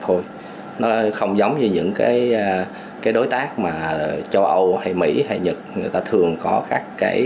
thôi nó không giống như những cái đối tác mà châu âu hay mỹ hay nhật người ta thường có các cái